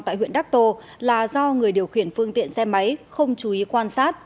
tại huyện đắc tô là do người điều khiển phương tiện xe máy không chú ý quan sát